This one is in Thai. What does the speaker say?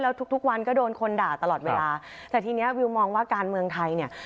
แล้วทุกทุกวันก็โดนคนด่าตลอดเวลาแต่ทีเนี้ยวิวมองว่าการเมืองไทยเนี่ย